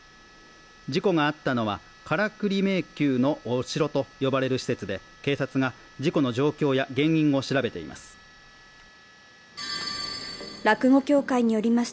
事故があったのは、カラクリ迷宮のお城と呼ばれる施設で警察が事故の状況や原因を調べています。